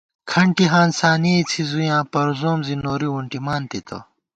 کھنٹی ہانسانِئےڅِھزُویاں پروزوم زی نوری وُنٹِمان تِتہ